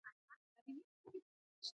ازادي راډیو د روغتیا پرمختګ سنجولی.